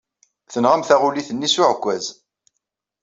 Tenɣam taɣulit-nni s uɛekkaz.